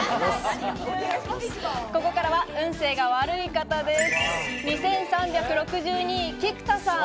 ここからは運勢が悪い方です。